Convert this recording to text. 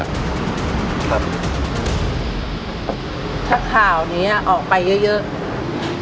ถ้าข่าวนี้ออกไปเยอะ